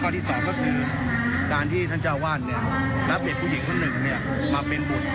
๒ท่านท่านเจ้าอาวาสรับเด็กผู้หญิงทั้งหนึ่งมาเป็นบุตร